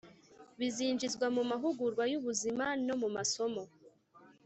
bizinjizwa mu mahugurwa y'ubuzima no mu masomo